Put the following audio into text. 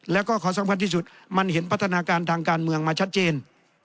แล้วก็ขอสำคัญที่สุดมันเห็นพัฒนาการทางการเมืองมาชัดเจน